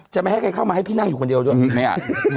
ไม่ให้ใครเข้ามาให้พี่นั่งอยู่คนเดียวด้วยไม่อ่ะ